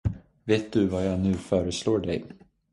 Vet du vad jag nu föreslår dig?